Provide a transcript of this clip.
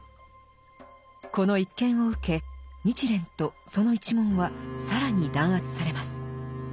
この一件を受け日蓮とその一門は更に弾圧されます。